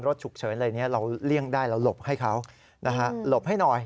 ฉุกเฉินอะไรนี้เราเลี่ยงได้เราหลบให้เขานะฮะหลบให้หน่อย